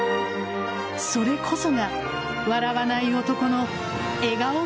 それこそが、笑わない男の笑顔